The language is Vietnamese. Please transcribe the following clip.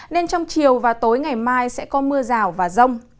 nên trong chiều và tối ngày mai sẽ có mưa rào và rông